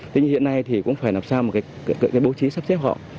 thế nhưng hiện nay thì cũng phải làm sao một cái bố trí sắp xếp họ